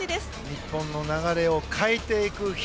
日本の流れを変えていく日。